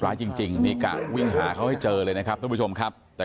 ร้ายจริงนี่กะวิ่งหาเขาให้เจอเลยนะครับทุกผู้ชมครับแต่